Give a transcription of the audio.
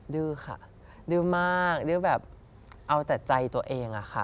ดื้อค่ะดื้อมากดื้อแบบเอาแต่ใจตัวเองอะค่ะ